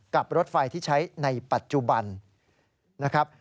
รถไฟที่ใช้ในปัจจุบันนะครับ